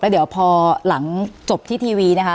เดี๋ยวพอหลังจบที่ทีวีนะคะ